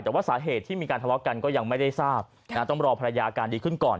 แต่ว่าสาเหตุที่มีการทะเลาะกันก็ยังไม่ได้ทราบต้องรอภรรยาอาการดีขึ้นก่อน